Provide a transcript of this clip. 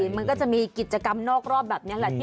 มันก็จะมีกิจกรรมนอกรอบแบบนี้แหละ